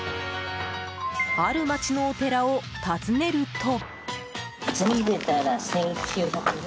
ある街のお寺を訪ねると。